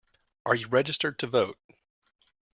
Are you registered to vote?